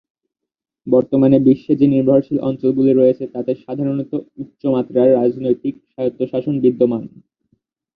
বর্তমানে বিশ্বে যে নির্ভরশীল অঞ্চলগুলি রয়েছে তাতে সাধারণত উচ্চ মাত্রার রাজনৈতিক স্বায়ত্তশাসন বিদ্যমান।